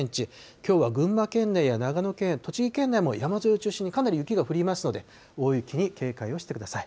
きょうは群馬県内や長野県、栃木県内も、山沿いを中心にかなり雪が降りますので、大雪に警戒をしてください。